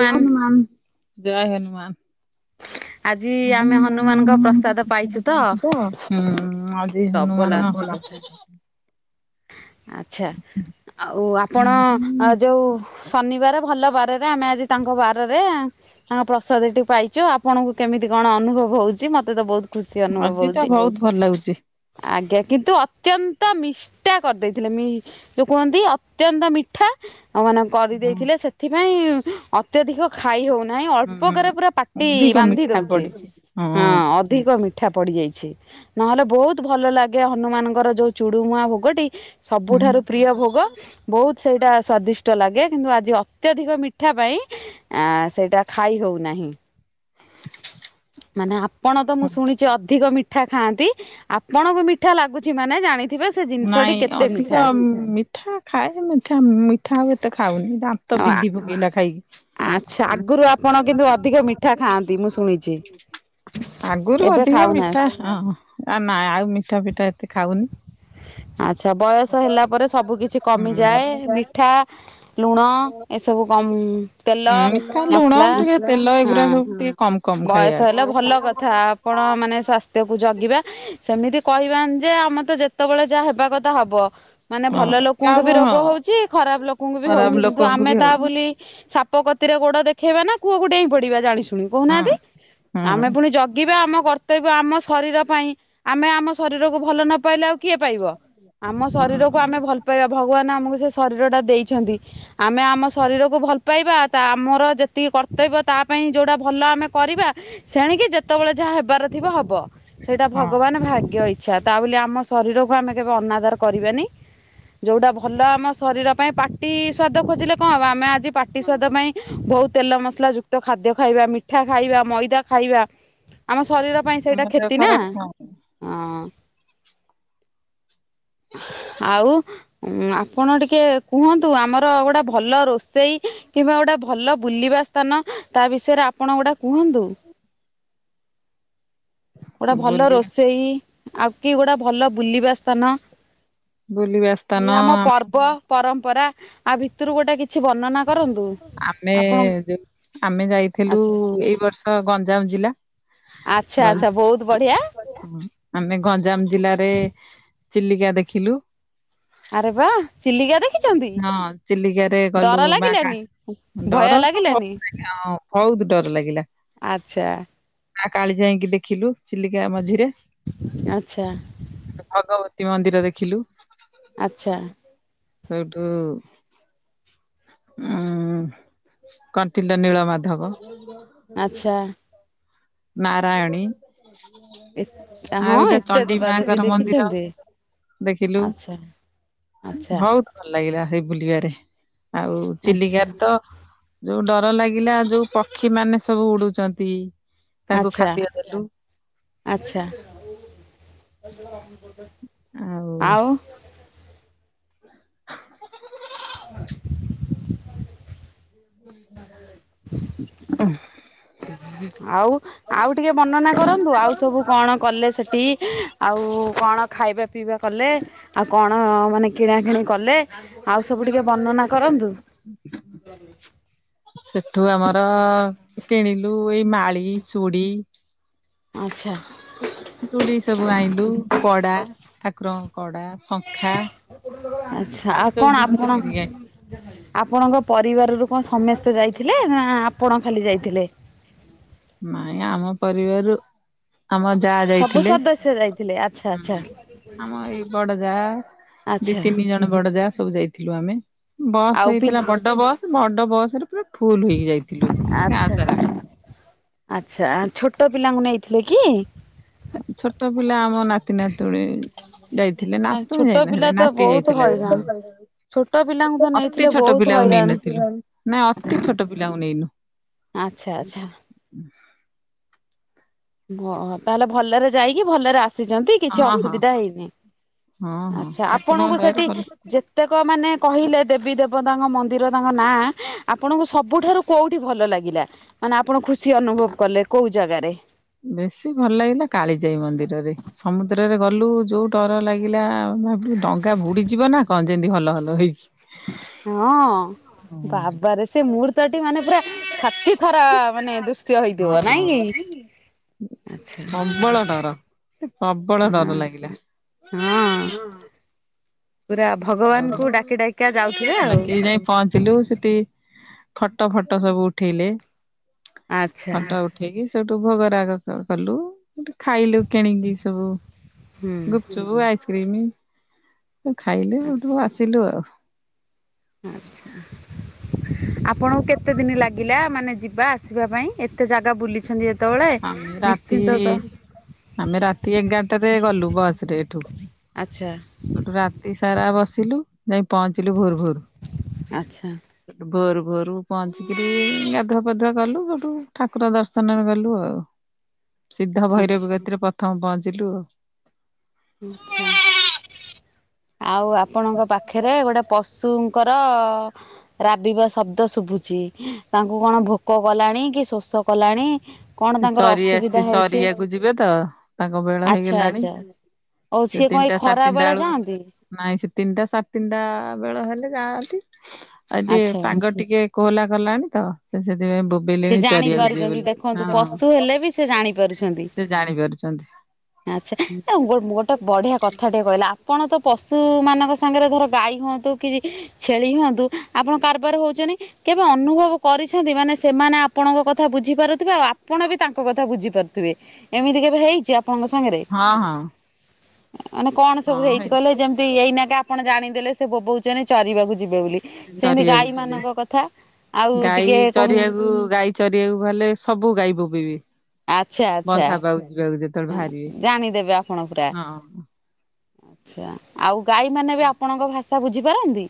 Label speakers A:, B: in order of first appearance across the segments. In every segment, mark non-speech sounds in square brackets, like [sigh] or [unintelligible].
A: ଜୟ
B: ମାନ
A: ହନୁମାନ। ଜୟ ହନୁମାନ।
B: ଆଜି ଆମେ ହନୁମାନଙ୍କ
A: [unintelligible]
B: ପ୍ରସାଦ ପାଇଛୁ ତ
A: ଏଇ ହନୁମାନ [unintelligible]
B: ଆଛା ଆଉ ଆପଣ ଅଁ ଯୋଉ ଶନିବାର ଭଲ ବାରରେ ଆମେ ଆଜି ତାଙ୍କ ବାରରେ ତାଙ୍କ ପ୍ରସାଦଟି ପାଇଚୁ ଆପଣଙ୍କୁ କେମିତି କଣ ଅନୁଭବ ହଉଚି ମତେ ତ ବହୁତ ଖୁସି ଅନୁଭବ
A: ଆଜି ତ
B: ହଉଚି
A: ବହୁତ ଭଲ ଲାଗୁଛି।
B: ଆଜ୍ଞା କିନ୍ତୁ ଅ ଅତ୍ୟନ୍ତ ମିଷ୍ଟା କରିଦେଇଥିଲେ ମି ଯୋଉ କୁହନ୍ତି ଅତ୍ୟନ୍ତ ମିଠା। ମାନେ
A: ହୁଁ
B: କରିଦେଇଥିଲେ ସେଥିପାଇଁ ଅତ୍ୟଧିକ ଖାଇ ହଉନି। ନାହିଁ ଅଳ୍ପକରେ
A: ହୁଁ
B: ପୁରା ପାଟି
A: ଅଧିକ
B: ବାନ୍ଧି
A: ମିଠା
B: ଦଉଚି
A: ପଡିଛି
B: ହଁ ଅଧିକ ମିଠା ପଡି ଯାଇଛି ନହେଲେ ବହୁତ ଭଲ ଲାଗେ ହନୁମାନଙ୍କର ଯୋଉ ଚୁଡୁମୁଆ ଭୋଗଟି
A: ହୁଁ
B: ସବୁଠାରୁ ପ୍ରିୟ ଭୋଗ ବହୁତ ସେଇଟା ସ୍ଵାଦିଷ୍ଟ ଲାଗେ କିନ୍ତୁ ଆଜି ଅ ଅତ୍ୟଧିକ ମିଠା ପାଇଁ ଆ ସେଇଟା ଖାଇ ହଉନାହିଁ। ମାନେ ଆପଣ ତ ମୁଁ ଶୁଣିଚି ଅଧିକ ମିଠା ମିଠା ଖାଆନ୍ତି ଆପଣଙ୍କୁ ମିଠା ଲାଗଚି ମାନେ ଜାଣିଥିବେ ସେ ଜିନିଷ
A: ନାଇଁ ଅଧିକ ମିଠା ଖାଏ ମିଠା ମିଠା ହଉ ଏତେ ଖାଉନି। ଦାନ୍ତ ବିନ୍ଧି ପକେଇଲା
B: ଆଚ୍ଛା ଆଗରୁ ଆପଣ
A: ଖାଇକି।
B: କିନ୍ତୁ ଅଧିକ ମିଠା ଖାଆନ୍ତି ମୁଁ ଶୁଣିଛି।
A: ଆଗରୁ
B: ଏବେ
A: ଅଧିକ
B: ଖାଉନା
A: ମିଠା ହଁ ନା ଆଉ ମିଠା ଫିଠା ଏତେ ଖାଉନି।
B: ଆଚ୍ଛା ବୟସ ହେଲା ପରେ ସବୁ କିଛି କମିଯାଏ
A: ହୁଁ
B: ମିଠା ଲୁଣ ଏସବୁ କମ ତେଲ
A: ହୁଁ ମିଠା ଲୁଣ
B: ମସଲା
A: ଟିକେ ତେଲ
B: ହଁ
A: ଏଗୁରା ସବୁ ଟିକେ କମ କମ
B: ବୟସ
A: ଖାଇବା
B: ହେଲେ
A: କଥା।
B: ଭଲ କ ଥା ଆପଣ ମାନେ ସ୍ୱାସ୍ଥ୍ୟ କୁ ଜଗିବା ସେମିତି କହିବାନି ଯେ ଆମେ ତ ଯେତେବେଳେ ଯାହା ହେବା କଥା ହବ ମାନେ ଭଲ
A: ହଁ
B: ଲୋକଙ୍କୁ ବି
A: କାହାକୁ ହଁ
B: ରୋଗ ହଉଚି ଖରାପ ଲୋକଙ୍କୁ ବି ହଉଚି
A: ଖରାପ
B: କିନ୍ତୁ
A: ଲୋକଙ୍କୁ
B: ଆମେ
A: ବି
B: ତା
A: ହଉ
B: ବୋଲି ସା ପ କତିରେ ଗୋଡ ଦେଖେଇବା ନା କୁଅକୁ ଡେଇଁ ପଡିବା ଜାଣି ଶୁଣି
A: ହଁ
B: କହୁନାହାନ୍ତି ଆମେ
A: ହୁଁ
B: ପୁଣି ଜଗିବା ଆମ କର୍ତ୍ତବ୍ୟ ଆମ ଶରୀର ପାଇଁ ଆମେ ଆମ ଶରୀରକୁ ଭଲ ନ ପାଇଲେ ଆଉ କିଏ ପାଇବ ଆମ
A: ହୁଁ
B: ଶରୀରକୁ ଆମେ ଭଲ ପାଇବା ଭଗବାନ ଆମକୁ ସେ ଶରୀର ଟା ଦେଇଛନ୍ତି ଆମେ ଆମ ଶରୀରକୁ ଭଲ ପାଇବା ତା ଆମର ଯେତିକି କର୍ତ୍ତବ୍ୟ ତା ପାଇଁ ଇଁ ଯୋଉଟା ଭଲ ଆମେ କରିବା ସେଣିକି ଯେତେବେଳେ ଯାହା ହେବାର ଥିବ ହବ। ସେଇଟା
A: ହଁ
B: ଭଗବାନ ଭାଗ୍ୟ ଇଚ୍ଛା ତା ବୋଲି ଆମ ଶରୀରକୁ ଆମେ କେବେ ଅନାଦାର କରିବାନି। ଯୋଉଟା ଭଲ ଆମ ଶରୀର ପାଇଁ ପାଟି ସ୍ଵାଦ ଖୋଜିଲେ କଣ ହବ ଆମେ ଆ ପାଟି ସ୍ୱାଦ ପାଇଁ ବହୁତ ତେଲ ମସଲା ଯୁକ୍ତ ଖାଦ୍ୟ ଖାଇବା ମିଠା ଖାଇବା ମଇଦା ଖାଇବା ଆମ ସ ଶରୀର ପାଇଁ
A: ଆମ
B: ସେଇଟା
A: ଦେହ
B: କ୍ଷତି ନା
A: ଖରାପ
B: ହଁ [inaudible] ଆଉ ଆପଣ ଟିକେ କୁହନ୍ତୁ ଆମର ଗୋଟେ ଭଲ ରୋଷେଇ କିମ୍ବା ଗୋଟେ ଭଲ ବୁଲିବା ସ୍ଥାନ ତା ବିଷୟରେ ଆପଣ ଗୋଟା କୁହନ୍ତୁ। ଗୋଟା ଭଲ
A: ବୁଲି
B: ରୋଷେଇ ଆଉ କି ଗୋଟେ ଭଲ ବୁଲିବା ସ୍ଥାନ
A: ବୁଲିବା ସ୍ଥାନ
B: କି ଆମ
A: ଆମେ
B: ପର୍ବ ପରମ୍ପରା କରନ୍ତୁ
A: ଆମେ
B: ଆପଣ
A: ଯ ଆମେ
B: ଆଚ୍ଛା ଆଚ୍ଛା ଆଚ୍ଛା ବହୁତ ବଢିଆ
A: ଗଞ୍ଜାମ ଜିଲ୍ଲାରେ ଚିଲିକା ଦେଖିଲୁ।
B: ଆରେ ବା। ଚିଲିକା ଦେଖିଛନ୍ତି,
A: ହଁ ଚିଲିକାରେ ଗଲୁ
B: ଡର
A: ମା କା
B: ଲାଗିଲାନି ଭୟ ଲାଗିଲାନି?
A: ହଁ ବହୁତ ଡର ଲାଗିଲା।
B: ଆଚ୍ଛା।
A: ଆ କାଳି ଯାଇକି ଦେଖିଲୁ, ଚିଲିକା ମଝିରେ
B: ଆଚ୍ଛା
A: ଭଗବ ତିିି ମନ୍ଦିର ଦେଖିଲୁ।
B: ଆଚ୍ଛା।
A: ସେଇଠୁ। ଉଁ କଣ୍ଟିଲ ନୀଳମାଧବ।
B: ଆଚ୍ଛା।
A: ନାରାୟଣୀ।
B: ଏ ହଁ
A: ଆଉ ଗୋଟେ
B: ଏତେ
A: ଚଣ୍ଡି
B: ଦେବାଦେବୀ
A: ମାଙ୍କର ମନ୍ଦିର।
B: ଦେଖିଛନ୍ତି
A: ଦେଖିଲୁ
B: ଆଚ୍ଛା ଆଚ୍ଛା
A: ବହୁତ ଭଲ ଲାଗିଲା। ସେଇ ବୁଲିବାରେ ଆଉ
B: ଆଚ୍ଛା
A: ଚିଲିକାରେ ତ ଯୋଉ ଡର ଲାଗିଲା ଯୋଉ ପକ୍ଷୀ ମାନେ ସବୁ ଉଡୁଛନ୍ତି। ତାଙ୍କୁ
B: ଆଚ୍ଛା
A: ଖାଦ୍ୟ ଦେଲୁ
B: ଆଚ୍ଛା। ଆଉ? [inaudible]
A: ହୁଁମ୍।
B: ଆଉ ଆଉ ଟିକେ ବର୍ଣ୍ଣନା କରନ୍ତୁ ଆଉ ସବୁ କଣ କଲେ ସେଠି ଆଉ? ଆ କଣ ଖାଇବା ପିଇବା କଲେ ଆଉ କଣ ମାନେ କିଣାକିଣି କଲେ? ଆଉ ସବୁ ଟିକେ ବର୍ଣ୍ଣନା କରନ୍ତୁ?
A: ସେଠୁ ଆମର କିଣିଲୁ ଏଇ ମାଳି, ଚୁଡି।
B: ଆଚ୍ଛା।
A: ତୁଠିକ ସବୁ ଆଣିଲୁ କଡା ଠାକୁରଙ୍କ କଡା, ଶଙ୍ଖା
B: ଆଚ୍ଛା
A: ଏଇ
B: ଆଉ
A: ସବୁ
B: କଣ ଆପଣ
A: ଦିନିଷ କିଣି କି ଆଣିଲୁ।
B: ଆପଣଙ୍କ ପରିବାରରୁ କଣ ସମସ୍ତେ ଯାଇଥିଲେ ନା ଆପଣ ଖାଲି ଯାଇଥିଲେ?
A: ନାଇ ଆମ ପରିବାରରୁ ଆମ ଯାହା
B: ସବୁ
A: ଯାଇଥିଲେ।
B: ସଦସ୍ୟ ଯାଇଥିଲେ ଆଚ୍ଛା ଆଚ୍ଛା
A: ଆମ ଏଇ ବଡ ଯା ଦି
B: ଆଚ୍ଛା
A: ତିନି ଜଣ ବଡ ଯା। ସବୁ ଯାଇଥିଲୁ ଆମେ ବସ୍
B: ଆଉ ପି
A: ହେଇଥିଲା ବଡ ବସ୍ ବଡ ବସ ରେ ପୁରା ଫୁଲ ହେଇକି ଯାଇଥିଲୁ ଗାଁ
B: ଆଚ୍ଛା
A: ସାରା।
B: ଆଚ୍ଛା ଛୋଟ ପିଲାଙ୍କୁ ନେଇଥିଲେ କି?
A: ଛୋଟ ପିଲା ଆମ ନାତି ନା ତୁଳି। ଯାଇଥିଲେ ନାତୁଣୀ
B: ଛୋଟ ପିଲା
A: ଯାଇନଥିଲେ
B: ତ
A: ନାତି
B: ବହୁତ
A: ଯାଇଥିଲା।
B: ହଇରାଣ ଛୋଟ ପିଲାଙ୍କୁ ତ
A: ଅତି
B: ନେଇଥିଲେ
A: ଛୋଟ
B: ବହୁତ
A: ପିଲାକୁ
B: ହଇରାଣ।
A: ନେଇନଥିଲୁ ନାଇ ଅତି ଛୋଟ ପିଲାଙ୍କୁ ନେଇନୁ।
B: ଆଚ୍ଛା ଆଚ୍ଛା। ଓ ତାହଲେ ଭଲରେ ଯାଇକି ଭଲରେ ଆସିଛନ୍ତି କିଛି
A: ହଁ ହଁ।
B: ଅସୁବିଧା ହେଇନି।
A: ହଁ ହଁ
B: ଆଛା ଆପଣଙ୍କୁ
A: ଠାକୁରଙ୍କ ଦୟାରୁ
B: ସେଠି
A: ଭଲ
B: ଯେତେକ ମାନେ କହିଲେ ଦେବୀ, ଦେବତାଙ୍କ ମନ୍ଦିର ତାଙ୍କ ନାଁ ଆପଣଙ୍କୁ ସବୁଠାରୁ କଉଠି ଭଲ ଲାଗିଲା? ମାନେ ଆ ଖୁସି ଅନୁଭବ କଲେ କେଉଁ ଜାଗାରେ?
A: ବେଶୀ ଭଲ ଲାଗିଲା କାଳିଜାଇ ମନ୍ଦିରରେ ସମୁଦ୍ରରେ ଗଲୁ ଯୋଉ ଡର ଲାଗିଲା ଆ। ଏପ ଡଙ୍ଗା ବୁଡିଯିବ ନା କଣ ଯେମିତି ହଲ ହଲ ହେଇକି?
B: ହଁ।
A: ହଁ
B: ବାବାରେ ସେ ମୁହୂର୍ତ୍ତଟି ମାନେ ପୁରା ଛାତି ଥର ମାନେ ଦୃଶ୍ୟ ହେଇଥିବ ନାଇଁ କି? ଆଚ୍ଛା।
A: ପ୍ରବଳ ଡର। ପ୍ରବଳ
B: ହଁ
A: ଡର ଲାଗିଲା।
B: ହଁ
A: ମାଁ
B: ପୁରା ଭଗବାନଙ୍କୁ ଡାକି ଡାକିକା ଯାଉଥିବେ ଆଉ।
A: [unintelligible] ପହଞ୍ଚିଲୁ ସେଠି। ଫଟ ଫଟ ସବୁ ଉଠେଇଲେ
B: ଆଚ୍ଛା
A: ଫଟୋ ଉଠେଇକି ସେଠୁ ଭୋଗ ଭୋଗ ରାଗ କଲୁ ଖାଇଲୁ କିଣିକି ସବୁ
B: ହୁଁ
A: ଗୁପଚୁପ, ଆଇ କ୍ରିମି ଖାଇଲେଠକୁ ଆସିଲୁ ଆଉ।
B: ଆଛା ଆପଣଙ୍କୁ କେତେ ଦିନ ଲାଗିଲା ମାନେ ଯିବା ଆସିବା ପାଇଁ? ଏତେ ଜାଗା ବୁଲିଛନ୍ତି। ଯେତେବେଳେ
A: ଆମେ ରାତି
B: ନିଶ୍ଚିନ୍ତ ତ
A: ଆମେ ରାତି ଏଗାରଟାରେ ଗଲୁ ବସରେ ଏଠୁ
B: ଆଚ୍ଛା।
A: ସେଠୁ ରାତି ସାରା ବସିଲୁ ଯାଇ ପହଞ୍ଚିଲୁ ଭୋର
B: ଆଚ୍ଛା
A: ଭୋର।
B: ଆଚ୍ଛା
A: ଭୋରୁ ଭୋରୁ ପହଞ୍ଚିକିରି ଗାଧୁଆ ପାଧୁଆ କଲୁ ସେଠୁ ଠାକୁର ଦର୍ଶନରେ ଗଲୁ ଆଉ। ସିଦ୍ଧ ଭୈରବୀ କତିରେ ପ୍ରଥମ ପହଞ୍ଚିଲୁ।
B: ଆଛା ଆଉ ଆପଣଙ୍କ ପାଖରେ ଗୋଟେ ପଶୁ ଶୁ ଙ୍କର ରାବିବା ଶବ୍ଦ ଶୁଭୁଛି ତାଙ୍କୁ କଣ ଭୋକ କଲାଣି କି ଶୋଷ କଲାଣି କଣ
A: ସେ
B: ତାଙ୍କର
A: ଚରି ଆସି
B: ଅସୁବିଧା ହଉଛି?
A: ଚରିଆକୁ ଯିବେ ତ ତାଙ୍କ ବେଳ
B: ଆଛା
A: ହେଇଗଲାଣି।
B: ଆଛା।
A: ସେ ତିନିଟା ସାଢ଼େ ତିନିଟା ବେଳକୁ ନାଇଁ ସେ ତିନିଟା ସାଢ଼େ ତିନିଟା ବେଳ ହେଲେ ଯାଆନ୍ତି ଆଉ ଟିକେ
B: ଆଚ୍ଛା
A: ପାଗ ଟିକେ କୋହଲା କଲାଣି ତ ସେ ସେଥିପାଇଁ
B: ସେ
A: ବୋବିଲେଣି ଚରିବାକୁ ଯିବେ
B: ଜାଣିପାରୁଛନ୍ତି
A: ବୋଲି
B: ଦେଖନ୍ତୁ ପଶୁ
A: ହଁ।
B: ହେଲେ ବି ସେ ଜାଣି ପାରୁଛନ୍ତି?
A: ସେ ଜାଣି ପାରୁଛନ୍ତି
B: ଆଛା ଗୋଟେ ବଢିଆ କଥା ଟିକେ କହିଲା ଆପଣ ତ ପଶୁ ମାନଙ୍କ ସାଙ୍ଗରେ ଧର ଗାଈ ହୁଅନ୍ତୁ କି ଛେଳି ହୁଅନ୍ତୁ ଆପଣ କାରବାର ହଉଛନ୍ତି କେବେ ଅନୁଭବ କରିଛନ୍ତି। ମାନେ ସେମାନେ ଆପଣଙ୍କ କଥା ବୁଝିପାରୁ ଥିବେ ଆଉ ଆପଣ ବି ତାଙ୍କ କଥା ବୁଝିପାରୁଥିବେ ଏମିତି କେବେ ହେଇଛି? ଆପଣଙ୍କ ସାଙ୍ଗରେ
A: ହଁ ହଁ
B: ମାନେ କଣ ସବୁ
A: ହଁ
B: ହେଇଛି କହିଲେ ଯେମିତି
A: ହେଇ
B: ଏଇନା ଆପଣ ଜାଣି ଦେଲେ ସେ ବୋବଉଚନି ଚରିବାକୁ ଯିବେ ବୋଲି ସେମିତି
A: ଚରିବାକୁ
B: ଗାଈ
A: ଯିବେ
B: ମାନଙ୍କ କଥା ଆଉ
A: ଗାଈ
B: ଟିକେ କହୁନ
A: ଚରିବାକୁ ଗାଈ ଚରିବାକୁ ହେଲେ ସବୁ ଗାଈ ବୋବେଇବେ
B: ଆଛା ଆଛା
A: ବନ୍ଧା ପାକୁ ଯିବାକୁ ଯେତେବେଳେ ବାହାରିବେ
B: ଜାଣିଦେବେ ଆପଣ ପୁରା
A: ହଁ।
B: ଆଛା ଆଉ ଗାଈ ମାନେ ବି ଆପଣଙ୍କ ଭାଷା ବୁଝିପାରନ୍ତି?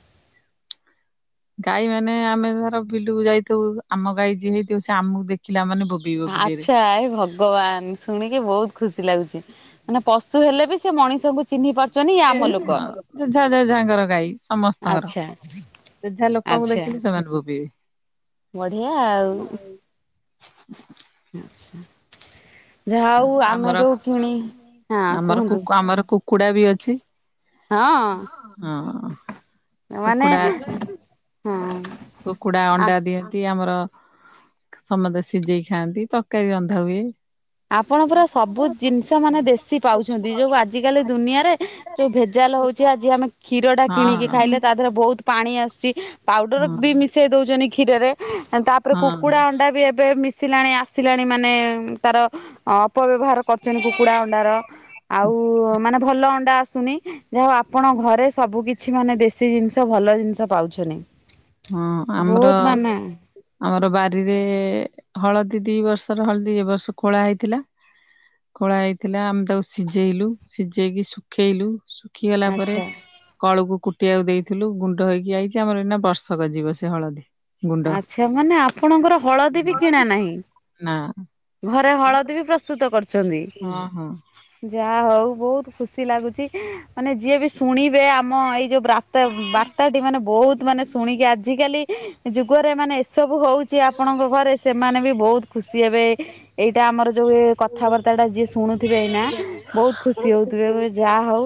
A: ଗାଈ ମାନେ ଆମେ ଧର ବିଲୁକୁ ଯାଇଥଉଁ ଆମ ଗାଈ ଯିଏ ହେଇଥିବ ସେ ଆମକୁ ଦେଖିଲା ମାନେ ବୋବେଇବ ବିଲେରେ।
B: ଆଛା ଏ ଭଗବାନ ଶୁଣିକି ବହୁତ ଖୁସି ଲାଗୁଛି ମାନେ ପଶୁ ହେଲେ ବି ସେ ମଣିଷଙ୍କୁ ଚିହ୍ନି ପାରୁଛନ୍ତି ଇଏ ଆମ ଲୋକ।
A: ଜେଝା ଜେଝା ଙ୍କର ଗାଈ ସମସ୍ତଙ୍କର
B: ଆଚ୍ଛା
A: ଯେଝା ଲୋକଙ୍କୁ ଦେଖିକି ସେମାନେ ବୋବେଇବେ।
B: ବଢ଼ିଆ ଆଉ ହ୍ନୁ ହ୍ନୁ। ଯାହା
A: ଆଉ
B: ହଉଁ ଆମେ
A: ଆମର
B: ଯୋଉଁ କିଣି ହଁ
A: ଆମର କୁ
B: କୁହନ୍ତୁ?
A: ଆମର କୁକୁଡା ବି ଅଛି
B: ହଁ
A: ହଁ,
B: ମାନେ
A: କୁକୁଡା ଅଛି।
B: ହଁ
A: କୁକୁଡ଼ା ଅଣ୍ଡା ଦିଅନ୍ତି। ଆମର ସମସ୍ତେ ସିଝେଇ ଖାଆନ୍ତି। ତରକାରୀ ରନ୍ଧା ହୁଏ
B: ଆପଣ ପୁରା ସବୁ ଜିନିଷ ମାନେ ଦେଶୀ ପାଉଛନ୍ତି। ଯୋଉଁ ଆଜିକାଲି ଦୁନିଆରେ ଯୋଉଁ ଭେଜ ଜାଲ ହଉଛି। ଆଜି ଆମେ କ୍ଷୀରଟା କିଣିକି
A: ହଁ
B: ଖାଇଲେ ତା ଦେହରେ ବହୁତ ପାଣି ଆସୁଛି ପାଉଡର ବି
A: ହଁ
B: ମିଶେଇ ଦଉଛନ୍ତି କ୍ଷୀରରେ ତାପରେ
A: ହଁ
B: କୁକୁଡା ଅଣ୍ଡା ବି ଏବେ ମିଶିଲାଣି ଆସିଲାଣି ମାନେ ତାର ଅପବ ବ୍ୟବହାର କରୁଛନ୍ତି କୁକୁଡା ଅଣ୍ଡାର ଆଉ ମାନେ ଭଲ ଅଣ୍ଡା ଆସୁନି। ଯାହା ଆପଣ ଘରେ ସବୁ କିଛି ମାନେ ଦେଶୀ ଜିନିଷ ଭଲ ଜିନିଷ ପାଉଛନ୍ତି।
A: ହଁ ଆମର
B: ବହୁତ ମାନେ
A: ଆମର ବାରିରେ ହଳଦୀ ଦିଇ ବର୍ଷର ହଳଦୀ ଏ ବର୍ଷ ଖୋଳା ହେଇଥିଲା ଖୋଳା ହେଇଥିଲା ଆମେ ତାକୁ ସିଝେଇଲୁ ସିଝେଇକି ଶୁଖେଇଲୁ। ଶୁଖିଗଲା ପରେ
B: ଆଚ୍ଛା
A: କଳକୁ କୁଟିବାକୁ ଦେଇଥିଲୁ ଗୁଣ୍ଡ ହେଇକି ଆଇଛି ଆମର ଏନା ବର୍ଷ ସକା ଯିବ ସେ ହଳଦୀ। ଗୁଣ୍ଡ
B: ଆଛା ମାନେ ଆପଣଙ୍କର ହଳଦୀ ବି କିଣା ନାହିଁ।
A: ନା
B: ଘରେ ହଳଦୀ ବି ପ୍ରସ୍ତୁତ କରୁଛନ୍ତି
A: ହଁ ହଁ
B: ଯାହା ହଉଁ। ବହୁତ ଖୁସି ଲାଗୁଛି ମାନେ ଯିଏ ବି ଶୁଣିବେ ଆମ ଏଇ ଯୋଉଁ ବ ବାର୍ତା ଟି ମାନେ ବହୁତ ମାନେ ଶୁଣିକି ଆଜିକାଲି ଯୁଗରେ ମାନେ ସବୁ ହେଉଛି ଆପଣଙ୍କ ଘରେ ସେମାନେ ବି ବହୁତ ଖୁସି ହେବେ। ଏଇଟା ଆମର ଯୋଉଁ କଥାବାର୍ତ୍ତା ଟା ଯିଏ ଶୁଣୁଥିବେ ଏଇନା ବହୁତ ଖୁସି ହଉଥିବେ ଯାହା ହଉଁ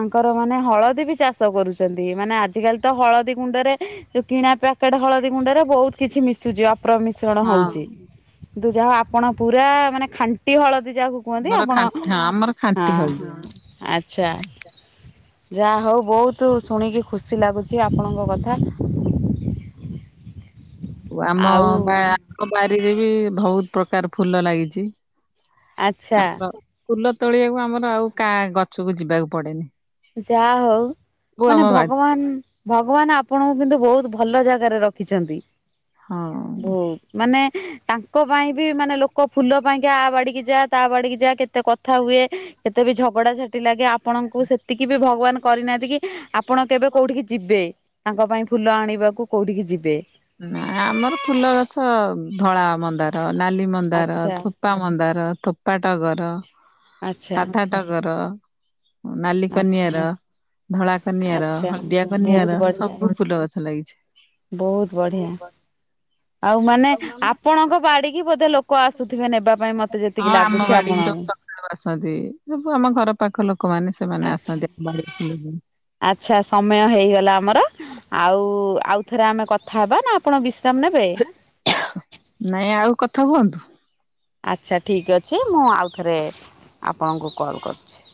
B: ଆଙ୍କର ମାନେ ହଳଦୀ ବି ଚାଷ କରୁଛନ୍ତି। ମାନେ ଆଜିକାଲି ତ ହଳଦୀ ଗୁଣ୍ଡରେ ଯୋଉଁ କିଣା ପକେଟ ହଳଦୀ ଗୁଣ୍ଡରେ ବହୁତ କିଛି ମିଶୁଛି ଅପ୍ର ମିଶ୍ରଣ
A: ହଁ
B: ହଉଛି।
A: ଆମର
B: କିନ୍ତୁ ଯାହା ପୁରା ମାନେ ଖାଣ୍ଟି ହଳଦୀ ଯାହାକୁ କୁହନ୍ତି ଆପଣ ହଁ
A: ଖାଣ୍ଟି ଆମର ଖାଣ୍ଟି ହଳଦୀ
B: ଆଚ୍ଛା। ଯାହା ହଉ ବହୁତ ଶୁଣିକି ଖୁସି ଲାଗୁଛି ଆପଣଙ୍କ କଥା।
A: ଆମ
B: ଆଉ
A: ବା ଆମ ବାରିରେ ବି ବହୁତ ପ୍ରକାର ଫୁଲ ଲାଗିଛି।
B: ଆଚ୍ଛା।
A: ଆମର ଫୁଲ ତୋଳିବାକୁ ଆମର ଆଉ କା ଗଛକୁ ଯିବାକୁ ପଡେନି।
B: ଯାହା ହଉ
A: ସବୁ
B: ମାନେ
A: ଆମ ବାଡି
B: ଭଗବାନ ଭଗବାନ ଆପଣଙ୍କୁ କିନ୍ତୁ ବହୁତ ଭଲ ଜାଗାରେ ରଖିଛନ୍ତି।
A: ହଁ।
B: ବହୁ ମାନେ ତାଙ୍କ ପାଇଁ ବି ମାନେ ଲୋ ଲୋକ ଫୁଲ ପାଇଁକା ଆ ବାଡିକି ଯା ତା ବାଡିକି ଯା କେତେ କଥା ହୁଏ କେତେ ବି ଝଗଡା ଝାଟି ଲାଗେ ଆପଣଙ୍କୁ ସେ ଏତିକି ବି ଭଗବାନ କରିନାହାନ୍ତି କି ଆପଣ କେବେ କୋଉଠିକି ଯିବେ। ତାଙ୍କ ପାଇଁ ଫୁଲ ଆଣିବାକୁ କୋଉଠିକି ଯିବେ।
A: ନା ଆମର ଫୁଲ ଗଛ ଧଳା ମନ୍ଦାର, ନାଲି ମନ୍ଦାର,
B: ଆଚ୍ଛା
A: ଥୋପା ମନ୍ଦାର, ଥୋପା ଟଗର
B: ଆଚ୍ଛା
A: ସାଧା ଟଗର ନାଲି
B: ଆଚ୍ଛା
A: କନିଅର ଧଳା କନିଆର,
B: ଆଚ୍ଛା
A: ହଳଦିଆ
B: ବହୁତ
A: କନିଅର
B: ବଢିଆ
A: ସବୁ ଫୁଲ ଗଛ ଲାଗିଛି।
B: ବହୁତ ବଢ଼ିଆ। ଆଉ ମାନେ ଆପଣଙ୍କ ବାଡିକି ବୋଧେ ଲୋକ ଆସୁଥିବେ ନେବା ପାଇଁ ମତେ
A: ହଁ
B: ଯେତିକି
A: ଆମ
B: ଲାଗୁଛି ଆପଣଙ୍କ
A: ବାଡିକି ସକାଳୁ ଆସନ୍ତି ସବୁ ଆମ ଘର ପାଖ ଲୋକମାନେ ସେମାନେ
B: ଆଚ୍ଛା
A: ଆସନ୍ତି ଆମ ବାଡିକି ଫୁଲ ପାଇଁ।
B: ଆଚ୍ଛା ସମୟ ହେଇଗଲା ଆମର ଆଉ ଆଉଥରେ ଆମେ କଥା ହବା ନା ଆପଣ ବିଶ୍ରାମ ନେବେ?
A: ନାଇଁ ଆଉ କଥା ହୁଅନ୍ତୁ।
B: ଆଚ୍ଛା ଠିକ୍ ଅଛି, ମୁଁ ଆଉଥରେ ଆପଣଙ୍କୁ କଲ୍ କରୁଛି। [inaudible]